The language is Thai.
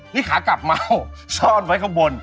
นี่ขากลับเมาซ่อนไว้ข้างบน